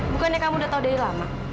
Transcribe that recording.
bukannya kamu udah tahu dari lama